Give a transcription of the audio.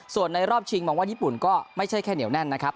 ส่วนในรอบชิงมองว่าญี่ปุ่นก็ไม่ใช่แค่เหนียวแน่นนะครับ